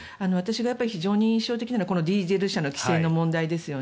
私が非常に印象的なのはディーゼル車の規制の問題。